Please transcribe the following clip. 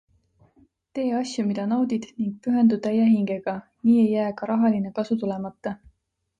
Tee asju, mida naudid, ning pühendu täie hingega - nii ei jää ka rahaline kasu tulemata.